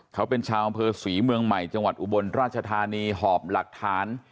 เขาเป็นชาวอำเภอศรีเมืองใหม่จังหวัดอุบลราชธานีหอบหลักฐาน